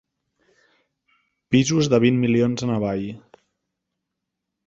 Pisos de vint milions en avall.